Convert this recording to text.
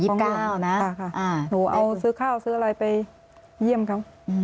ค่ะหนูเอาซื้อข้าวซื้ออะไรไปเยี่ยมเขา